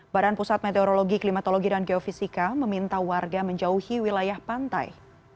badan pusat meteorologi klimatologi dan geofisika meminta warga menjauhi wilayah pantai